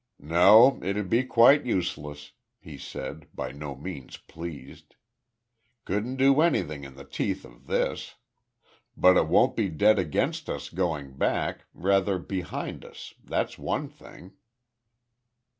"No, it'd be quite useless," he said, by no means pleased. "Couldn't do anything in the teeth of this. But it won't be dead against us going back, rather behind us, that's one thing."